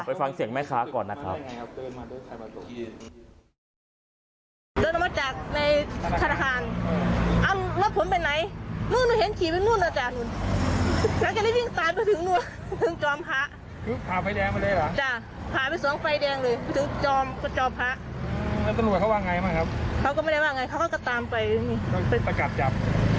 ฟังเสียงแม่ค้าก่อนนะครับ